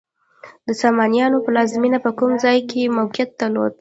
د سامانیانو پلازمینه په کوم ځای کې موقعیت درلود؟